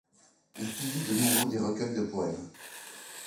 Il publie de nouveau des recueils de poèmes.